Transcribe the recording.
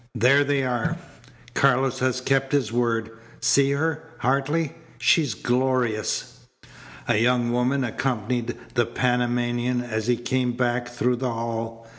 "There they are. Carlos has kept his word. See her, Hartley. She's glorious." A young woman accompanied the Panamanian as he came back through the hall.